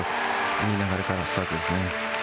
いい流れからスタートですね。